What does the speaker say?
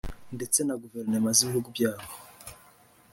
ndetse na Guverinoma z’ibihugu byabo